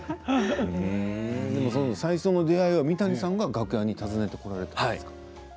最初の出会いが三谷さんが楽屋に訪ねてこられたんですか。